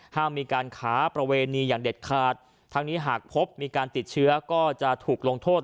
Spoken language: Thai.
ห้ามมีการค้าประเวณีอย่างเด็ดขาดทั้งนี้หากพบมีการติดเชื้อก็จะถูกลงโทษ